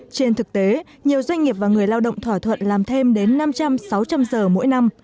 trên thực tế nhiều doanh nghiệp và người lao động thỏa thuận làm thêm đến năm trăm linh sáu trăm linh giờ mỗi năm